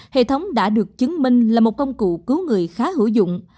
hệ thống đã được chứng minh là một công cụ cứu người khá hữu dụng